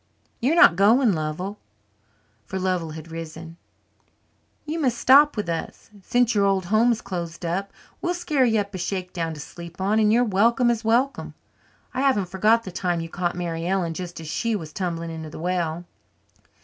You're not going, Lovell" for Lovell had risen "you must stop with us, since your old home is closed up. We'll scare you up a shakedown to sleep on and you're welcome as welcome. I haven't forgot the time you caught Mary Ellen just as she was tumbling into the well."